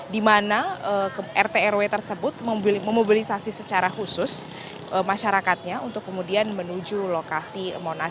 di mana rt rw tersebut memobilisasi secara khusus masyarakatnya untuk kemudian menuju lokasi monas